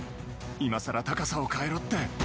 いまさら高さを変えろって。